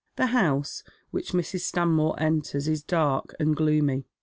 The house which Mrs. Stanmore enters is dark and gloomy.